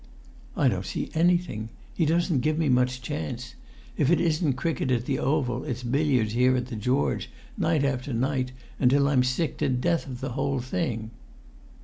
"I don't see anything. He doesn't give me much chance. If it isn't cricket at the Oval, it's billiards here at the George, night after night until I'm sick to death of the whole thing."